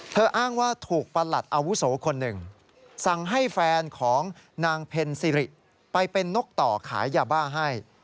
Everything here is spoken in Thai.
อ้างว่าถูกประหลัดอาวุโสคนหนึ่งสั่งให้แฟนของนางเพ็ญซิริไปเป็นนกต่อขายยาบ้าให้